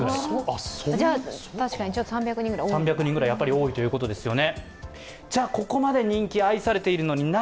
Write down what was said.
３００人くらい多いということですよね。